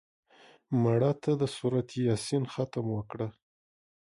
مړه ته د سورت یاسین ختم وکړه